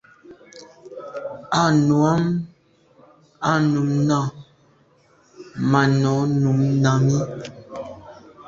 À nu am à num na màa nô num nà i.